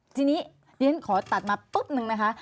ทีนี้เรียนขอตัดมาปุ๊บนึงนะคะ